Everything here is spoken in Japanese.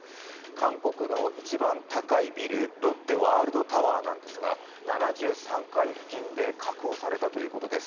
韓国の一番高いビル、ロッテワールドタワーなんですが７３階付近で確保されたということです。